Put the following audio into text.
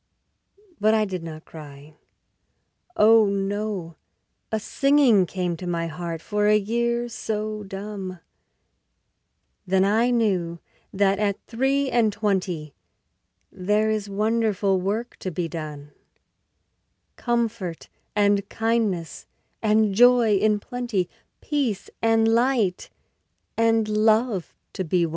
But I did not cry. Oh no; a singing Came to my heart for a year so dumb, Then I knew that at three and twenty There is wonderful work to be done, Comfort and kindness and joy in plenty, Peace and light and love to be won.